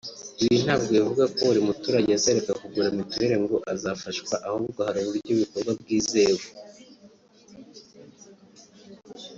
ibi ntabwo bivuga ko buri muturage azareka kugura mituweli ngo azafashwa ahubwo hari uburyo bikorwa bwizewe